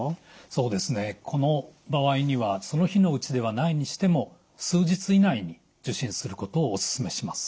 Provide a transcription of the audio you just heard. そうですねこの場合にはその日のうちではないにしても数日以内に受診することをおすすめします。